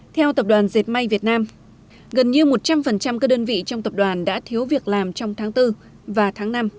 theo tập đoàn dệt may việt nam gần như một trăm linh các đơn vị trong tập đoàn đã thiếu việc làm trong tháng bốn và tháng năm